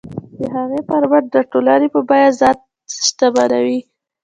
د هغې پر مټ د ټولنې په بیه ځان شتمنوي.